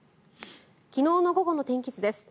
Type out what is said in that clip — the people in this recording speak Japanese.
昨日の午後の天気図です。